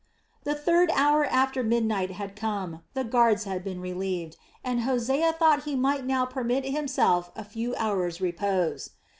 The third hour after midnight had come, the guards had been relieved, and Hosea thought he might now permit himself a few hours repose.